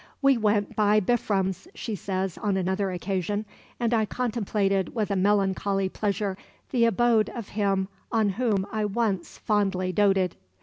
"We went by Bifrons," she says on another occasion, "and I contemplated with a melancholy pleasure the abode of him on whom I once fondly doted."